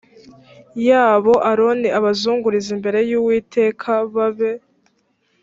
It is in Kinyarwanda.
yabo aroni abazungurize imbere y uwiteka babe